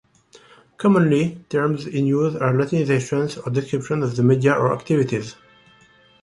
Commonly terms in use are Latinisations or of descriptions of the media or activities.